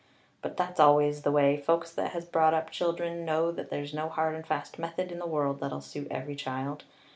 But that's always the way. Folks that has brought up children know that there's no hard and fast method in the world that'll suit every child.